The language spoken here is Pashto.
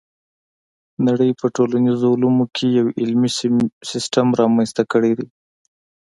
نړۍ په ټولنیزو علومو کې یو علمي سیستم رامنځته کړی دی.